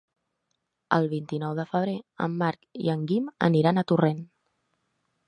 El vint-i-nou de febrer en Marc i en Guim aniran a Torrent.